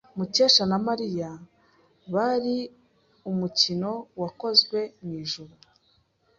Mukesha na Mariya bari umukino wakozwe mwijuru.